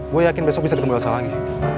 gua yakin besok bisa ketemu elsa lagi